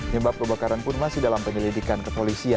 nyebab kebakaran pun masih dalam penyelidikan kepolisian